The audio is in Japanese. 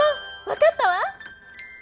わかったわ！